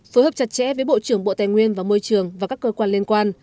phối hợp chặt chẽ với bộ trưởng bộ tài nguyên và môi trường và các cơ quan liên quan